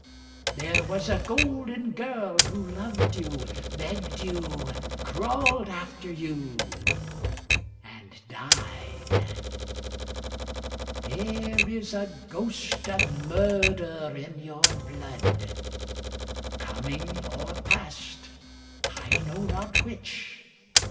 There was a golden girl who loved you, begged you, Crawled after you, and died. 'There is a ghost of murder in your blood Coming or past, I know not which.